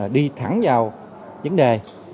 đi thẳng vào vấn đề